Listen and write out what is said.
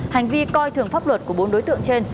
hành vi coi thường pháp luật của bốn đối tượng trên